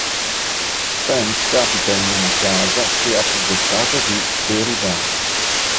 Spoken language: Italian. Sam capita in una casa che ha progettato di derubare.